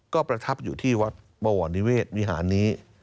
ก็ประทับอยู่ที่วัดบวรนิเวศวิหารนี้